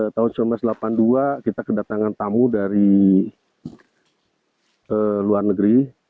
tahun seribu sembilan ratus delapan puluh dua kita kedatangan tamu dari luar negeri